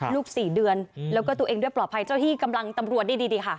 ๔เดือนแล้วก็ตัวเองด้วยปลอดภัยเจ้าที่กำลังตำรวจดีค่ะ